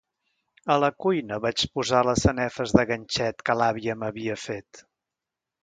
A la cuina vaig posar les sanefes de ganxet que l’àvia m’havia fet.